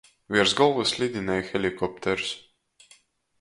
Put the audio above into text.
Viers golvys lidinej helikopters.